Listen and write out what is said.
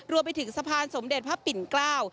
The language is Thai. รวมไปถึงสะพานสมเด็จพระปิ่นเกล้า